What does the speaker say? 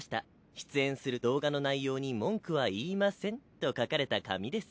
出演する動画の内容に文句は言いません」と書かれた紙です。